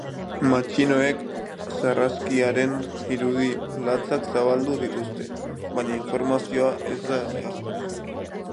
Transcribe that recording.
Matxinoek sarraskiaren irudi latzak zabaldu dituzte, baina informazioa ez da egiaztatu.